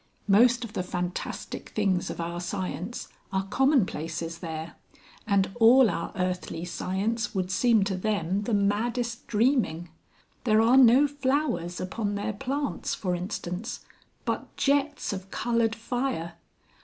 Most of the fantastic things of our science are commonplaces there, and all our earthly science would seem to them the maddest dreaming. There are no flowers upon their plants, for instance, but jets of coloured fire.